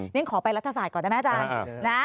นี่ขอไปรัฐศาสตร์ก่อนได้ไหมอาจารย์